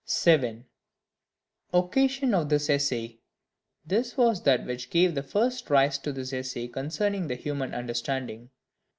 7. Occasion of this Essay. This was that which gave the first rise to this Essay concerning the understanding.